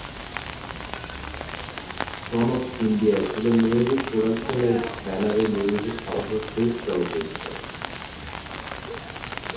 Son of India ছিল মেহবুব প্রোডাকশনের ব্যানারে নির্মিত সর্বশেষ চলচ্চিত্র।